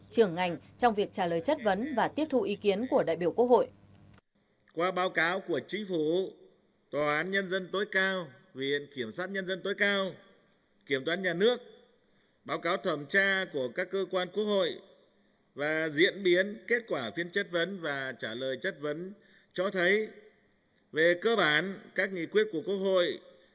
trường ngành trong việc trả lời chất vấn và tiếp thu ý kiến của đại biểu quốc hội